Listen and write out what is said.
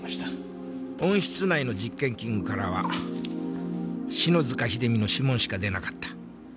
温室内の実験器具からは篠塚秀実の指紋しか出なかった。